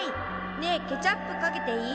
ねえケチャップかけていい？